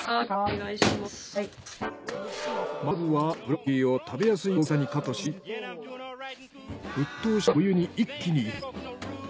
まずはブロッコリーを食べやすい大きさにカットし沸騰したお湯に一気に入れる。